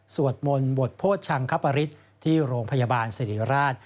สวดมนต์บทโพธิชังคับอริฐที่โรงพยาบาลสรีราช